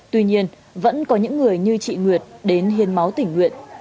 tuy nhiên vẫn có những người như chị nguyệt đến hiến máu tỉnh nguyện